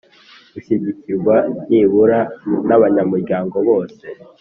gushyigikirwa nibura n abanyamuryango bose